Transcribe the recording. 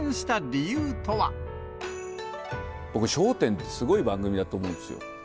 僕、笑点ってすごい番組だと思うんですよ。